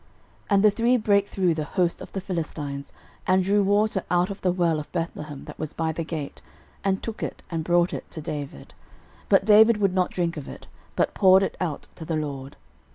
13:011:018 And the three brake through the host of the Philistines, and drew water out of the well of Bethlehem, that was by the gate, and took it, and brought it to David: but David would not drink of it, but poured it out to the LORD.